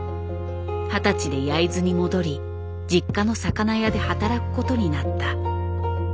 二十歳で焼津に戻り実家の魚屋で働くことになった。